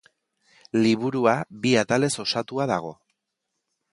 Liburua bi atalez osatua dago.